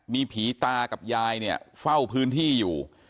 มีผีตากับยายเนี่ยเฝ้าพื้นที่อยู่